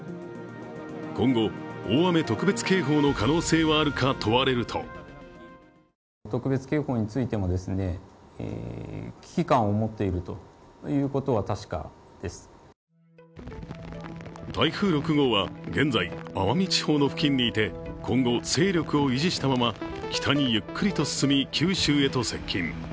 今後、大雨特別警報の可能性はあるか問われると台風６号は現在、奄美地方の付近にいて今後勢力を維持したまま、北にゆっくりと進み、九州へと接近。